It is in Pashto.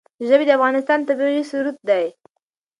ژبې د افغانستان طبعي ثروت دی.